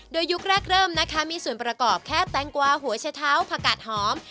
โดยยุคแรกเริ่มนะคะมีส่วนประกอบแค่แตงกวาหัวชะเท้าผักกาดหอม